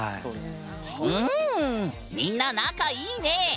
うんみんな仲いいね！！